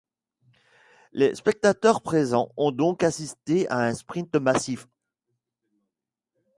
Les spectateurs présents ont donc assisté à un sprint massif.